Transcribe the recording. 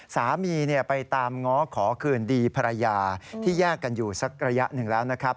สามีไปตามง้อขอคืนดีภรรยาที่แยกกันอยู่สักระยะหนึ่งแล้วนะครับ